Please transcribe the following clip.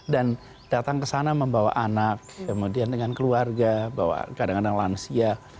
dan datang ke sana membawa anak kemudian dengan keluarga bawa kadang kadang lansia